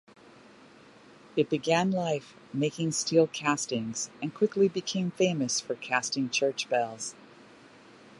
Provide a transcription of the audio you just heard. It began life making steel castings and quickly became famous for casting church bells.